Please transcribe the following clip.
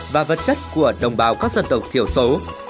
và vật chất của đồng bào các dân tộc thiểu số